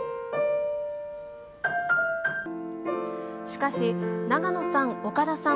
しかし、永野さん、岡田さん